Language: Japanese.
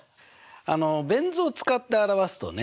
あのベン図を使って表すとね